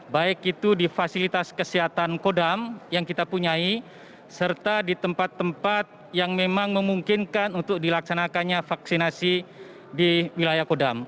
baik itu di fasilitas kesehatan kodam yang kita punyai serta di tempat tempat yang memang memungkinkan untuk dilaksanakannya vaksinasi di wilayah kodam